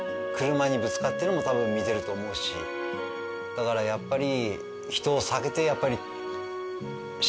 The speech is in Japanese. だからやっぱり。